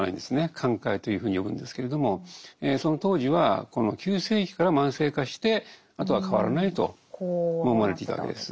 寛解というふうに呼ぶんですけれどもその当時はこの急性期から慢性化してあとは変わらないと思われていたわけです。